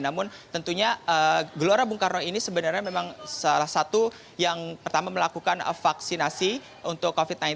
namun tentunya gelora bung karno ini sebenarnya memang salah satu yang pertama melakukan vaksinasi untuk covid sembilan belas